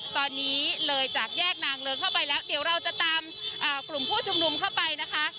ตอนนี้เลยจากแยกนางเลิ้งเข้าไปแล้วเดี๋ยวเราจะตามกลุ่มผู้ชุมนุมเข้าไปนะคะ